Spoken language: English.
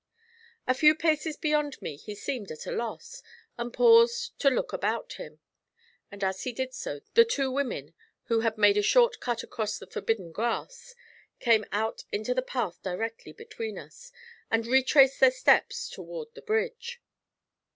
A few paces beyond me he seemed at a loss, and paused to look about him; and as he did so, the two women, who had made a short cut across the forbidden grass, came out into the path directly between us, and retraced their steps toward the bridge.